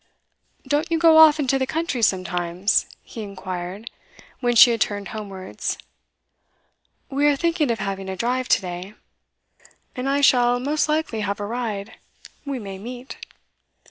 'Don't you go off into the country sometimes?' he inquired, when she had turned homewards. 'We are thinking of having a drive to day.' 'And I shall most likely have a ride; we may meet.